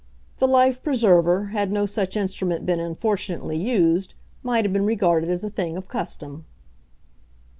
The life preserver, had no such instrument been unfortunately used, might have been regarded as a thing of custom."